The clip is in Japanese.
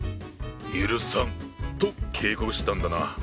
「許さん！」と警告したんだな。